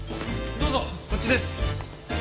どうぞこっちです。